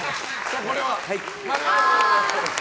これは、○。